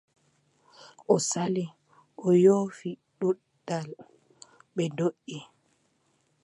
O sali o yoofi dutal, ɓe ndoʼi.